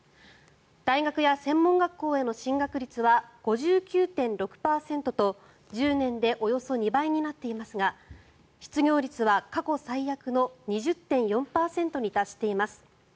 大学や専門学校への進学率は５９．６％と１０年でおよそ２倍になっていますが失業率は過去最悪の２０．４％に達しています。